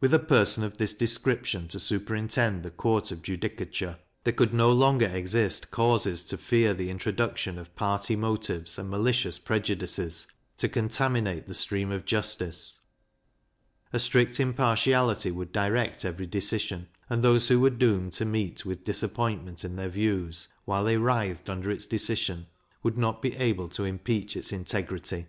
With a person of this description to superintend the court of judicature, there could no longer exist causes to fear the introduction of party motives and malicious prejudices, to contaminate the stream of justice; a strict impartiality would direct every decision, and those who were doomed to meet with disappointment in their views, while they writhed under its decision, would not be able to impeach its integrity.